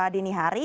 dua dini hari